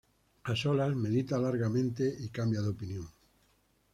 A solas, medita largamente y cambia de opinión.